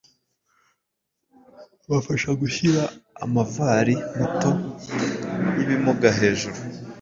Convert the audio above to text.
bafaha guhyira amavalii mato yibimuga hejuru